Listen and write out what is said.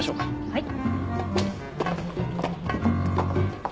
はい。